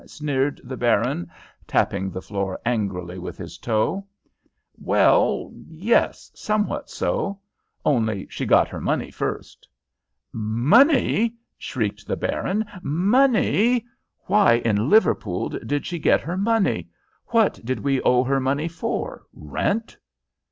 sneered the baron, tapping the floor angrily with his toe. "Well, yes, somewhat so; only she got her money first." "Money!" shrieked the baron. "Money! Why in Liverpool did she get her money? What did we owe her money for? Rent?"